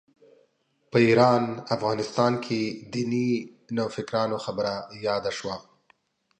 په ایران افغانستان کې دیني نوفکرانو خبره یاده شوه.